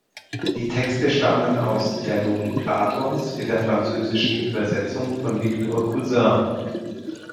Die Texte stammen aus Dialogen Platons in der französischen Übersetzung von Victor Cousin.